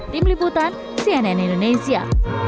tim liputan cnn indonesia